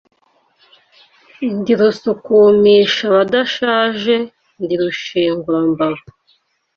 Ndi Rusukumisha abadashaje ndi rushengurambavu